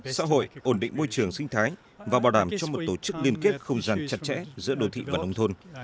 xã hội ổn định môi trường sinh thái và bảo đảm cho một tổ chức liên kết không gian chặt chẽ giữa đô thị và nông thôn